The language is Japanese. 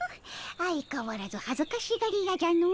相かわらず恥ずかしがり屋じゃの。